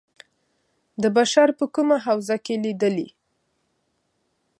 د بشر په کومه حوزه کې لېدلي.